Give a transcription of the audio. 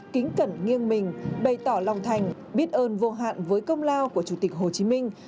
kính cẩn nghiêng mình bày tỏ lòng thành biết ơn vô hạn với công lao của chủ tịch hồ chí minh